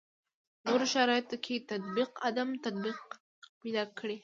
نورو شرایطو کې تطبیق عدم تطابق پیدا کړي.